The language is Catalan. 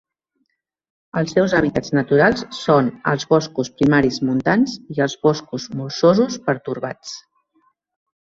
Els seus hàbitats naturals són els boscos primaris montans i els boscos molsosos pertorbats.